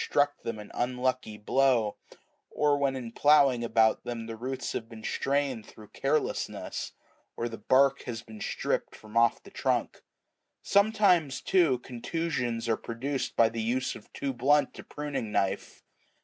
struck them an unlucky blow, or when in ploughing about them the roots have been strained through carelessness, or the bark has been stripped from off the trunk: sometimes, too, contusions are produced by the use of too blunt a priming knife.